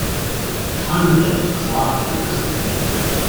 The convict was locked in a Prison.